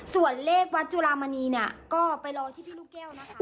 ส่วนเลขวัดจุลามณีเนี่ยก็ไปรอที่พี่ลูกแก้วนะคะ